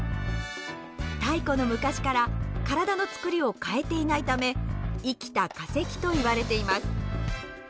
太古の昔から体のつくりを変えていないため「生きた化石」と言われています。